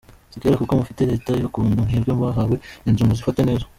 Si kera kuko mufite leta ibakunda, mwebwe mwahawe inzu muzifate neza.